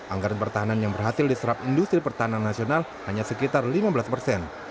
anggaran pertahanan yang berhasil diserap industri pertahanan nasional hanya sekitar lima belas persen